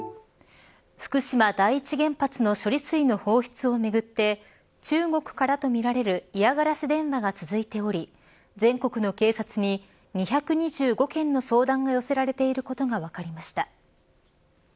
福島第一原発の処理水の放出をめぐって中国からとみられる嫌がらせ電話が続いており全国の警察に２２５件の相談が寄せられていることが分かりました。